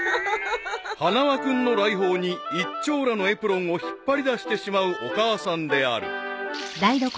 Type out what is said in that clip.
［花輪君の来訪に一張羅のエプロンを引っ張り出してしまうお母さんである］